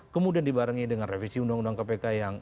kemudian dibarengi dengan revisi undang undang kpk yang